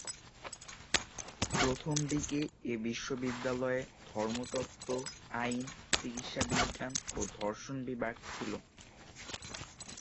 প্রথমদিকে এ বিশ্ববিদ্যালয়ে ধর্মতত্ত্ব, আইন, চিকিৎসাবিজ্ঞান ও দর্শন বিভাগ ছিল।